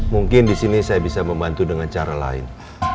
mungkin di sini saya bisa membantu dengan cara lain